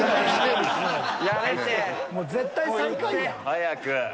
早く。